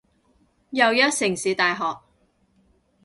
又一城市大學